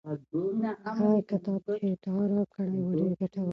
هغه کتاب چې تا راکړی و ډېر ګټور و.